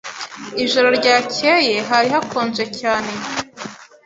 Ijoro ryakeye hari hakonje cyane.